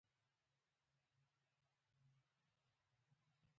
مقوله ده : ملا ځان ته تسلې او بل ته مسعلې کوي.